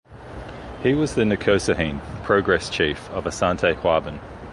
He was the Nkosuohene(progress chief) of Asante Juaben.